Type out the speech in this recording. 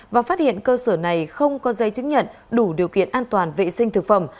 và phát hiện cơ sở này không có dây chứng nhận đủ điều kiện an toàn vệ sinh thực phẩm